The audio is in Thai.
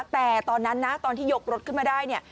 แต่ตอนนั้นนะตอนที่ยกรถขึ้นมาได้เนี่ย